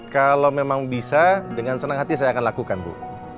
kalau memang bisa dengan senang hati saya akan lakukan bu